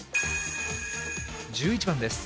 １１番です。